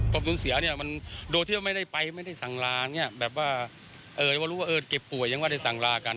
ความสูญเสียเนี้ยมันโดยที่ว่าไม่ได้ไปไม่ได้สั่งลาเนี้ยแบบว่าเอ่ยว่ารู้ว่าเอ่ยเก็บป่วยยังว่าได้สั่งลากัน